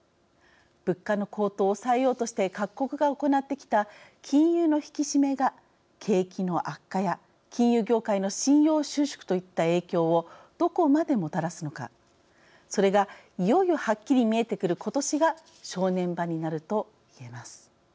物価の高騰を抑えようとして各国が行ってきた金融の引き締めが景気の悪化や金融業界の信用収縮といった影響をどこまでもたらすのかそれがいよいよはっきり見えてくる今年が正念場になると言えます。